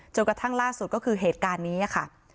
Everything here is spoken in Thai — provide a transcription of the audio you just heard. กระทั่งล่าสุดก็คือเหตุการณ์นี้ค่ะ